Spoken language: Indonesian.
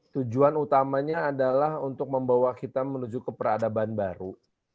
tujuan utamanya adalah untuk membawa kita menuju ke peradaban baru